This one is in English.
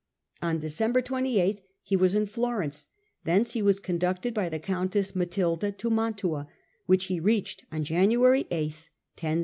On December 28 he was in Florence; thence he was conducted by the countess Matilda to Mantua, which he reached on January 8, 1077.